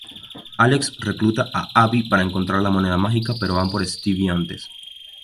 Alex recluta a Abby para encontrar la moneda mágica pero van por Stevie antes.